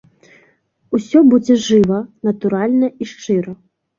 Усё будзе жыва, натуральна і шчыра!